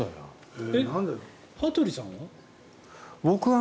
羽鳥さんは？